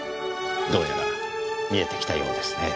どうやら見えてきたようですねぇ。